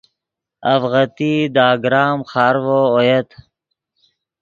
اڤغتئی دے اگرام خارڤو اویت